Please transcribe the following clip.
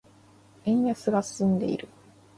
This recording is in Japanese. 円安が進んでいる。